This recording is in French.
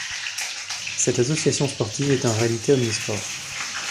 Cette association sportive est en réalité omnisports.